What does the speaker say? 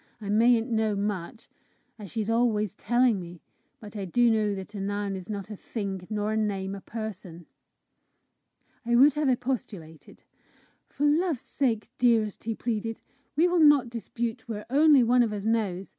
I mayn't know much, as she's always telling me, but I do know that a noun is not a thing, nor a name a person!" I would have expostulated. "For love's sake, dearest," he pleaded, "we will not dispute where only one of us knows!